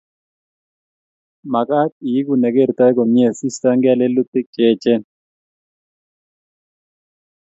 Makat iegu ne kertoi komie siistoegei lelutik che echen